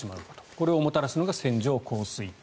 これをもたらすのが線状降水帯。